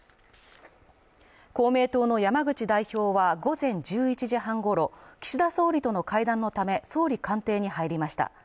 公明党の山口代表は午前１１時半ごろ岸田総理との会談のため、総理官邸に入りました。